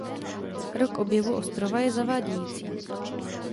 Rok objevu ostrova je zavádějící.